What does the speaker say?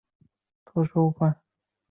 随后张百发顺利当选。